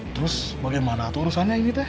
terus bagaimana itu urusannya ini teh